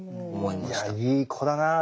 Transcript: いやいい子だなぁ。